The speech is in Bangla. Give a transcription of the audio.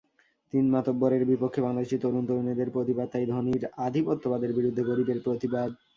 তিন মাতব্বরের বিপক্ষে বাংলাদেশি তরুণ-তরুণীদের প্রতিবাদ তাই ধনীর আধিপত্যবাদের বিরুদ্ধে গরিবের প্রতিবাদ।